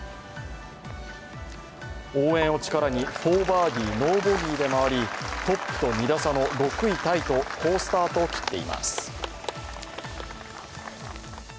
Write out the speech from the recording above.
応援を力に、４バーディー・ノーボギーで回り、トップと２打差の６位タイと好スタートを切っています。